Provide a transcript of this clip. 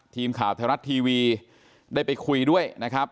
ทีมข่าวธนัททีวีได้ไปคุยด้วย